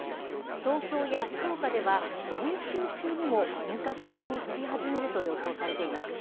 東京や福岡では、今週中にも本格的に飛び始めると予想されています。